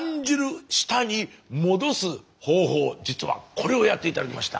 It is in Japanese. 実はこれをやって頂きました。